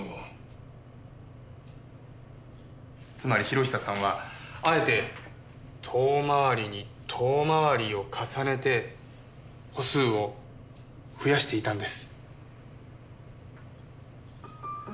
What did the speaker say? つまり博久さんはあえて遠回りに遠回りを重ねて歩数を増やしていたんです。